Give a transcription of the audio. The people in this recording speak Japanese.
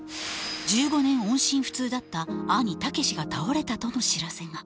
１５年音信不通だった兄武志が倒れたとの知らせが。